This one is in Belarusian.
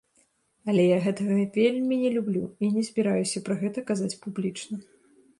Але я гэтага вельмі не люблю і не збіраюся пра гэта казаць публічна.